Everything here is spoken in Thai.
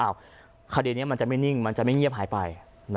คดีนี้มันจะไม่นิ่งมันจะไม่เงียบหายไป